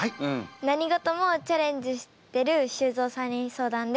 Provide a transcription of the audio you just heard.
何事もチャレンジしてる修造さんに相談です。